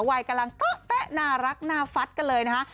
วัยกำลังเกาะแต๊ะน่ารักหน้าฟัดกันเลยนะคะ